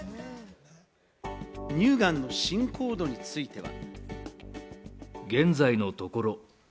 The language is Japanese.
乳がんの進行度については。